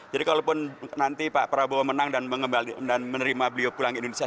jadi kalau pun nanti pak prabowo menang dan menerima beliau pulang ke indonesia